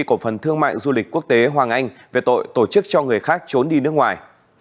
của phần thương mại du lịch quốc tế hoàng anh về tội tổ chức cho người khác trốn đi nước ngoài